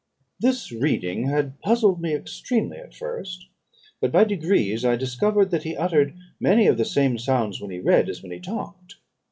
"This reading had puzzled me extremely at first; but, by degrees, I discovered that he uttered many of the same sounds when he read, as when he talked.